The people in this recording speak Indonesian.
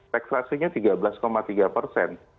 tax ratio nya tiga belas tiga persen